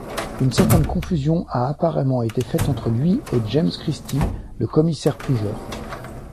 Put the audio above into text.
Une certaine confusion a apparemment été faite entre lui et James Christie, le commissaire-priseur.